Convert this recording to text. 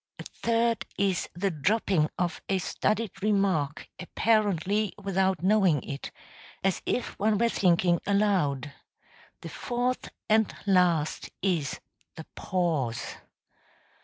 A third is the dropping of a studied remark apparently without knowing it, as if one were thinking aloud. The fourth and last is the pause.